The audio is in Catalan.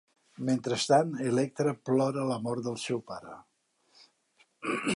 Mentrestant, Electra plora la mort del seu pare.